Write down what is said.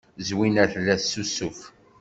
Zwina tella tessusuf.